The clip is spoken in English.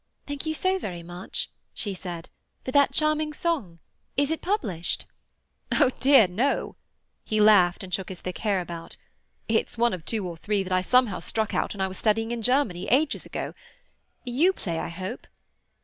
"Thank you so very much," she said, "for that charming song. Is it published?" "Oh dear, no!" He laughed and shook his thick hair about. "It's one of two or three that I somehow struck out when I was studying in Germany, ages ago. You play, I hope?"